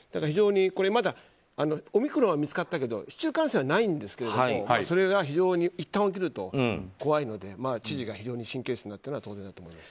まだ、オミクロンは見つかったけど市中感染はないんですがそれが、非常にいったん起きると怖いので知事が非常に神経質になるのは当然だと思います。